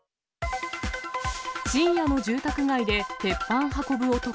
深夜の住宅街で鉄板運ぶ男。